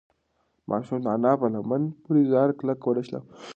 ماشوم د انا په لمن پورې ځان کلک ونښلاوه.